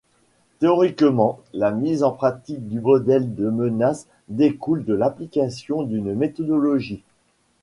Théoriquement, la mise en pratique du modèle de menace découle de l’application d’une méthodologie.